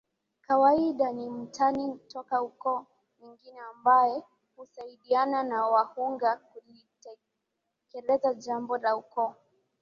kawaida ni Mtani toka Ukoo mwingine ambae husaidiana na Wahunga kulitekeleza jambo la Ukoo